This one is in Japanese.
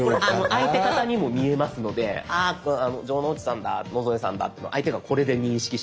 相手方にも見えますので城之内さんだ野添さんだって相手がこれで認識しますので。